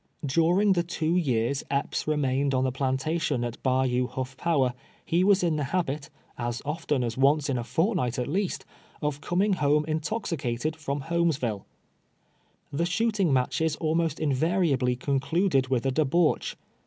During the two years Epps remained on the plan tatiou at Bayou Huff Power, he was in the habit, as often as once in a fortnight at least, of coming home intoxicated froni llolmosvllle. The shooting matches almost invariably concluded with a debauch.